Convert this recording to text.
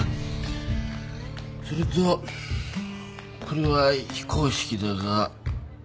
それとこれは非公式だが。